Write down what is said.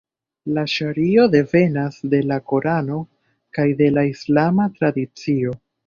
La ŝario devenas de la Korano kaj de la islama tradicio.